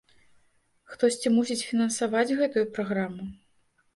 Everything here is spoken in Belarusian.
Хтосьці мусіць фінансаваць гэтую праграму.